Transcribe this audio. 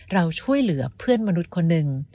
เราช่วยเหลือเพื่อนมนุษย์คนหนึ่ง